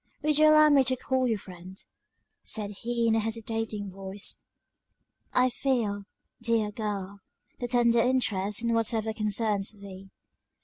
"Would you allow me to call you friend?" said he in a hesitating voice. "I feel, dear girl, the tendered interest in whatever concerns thee."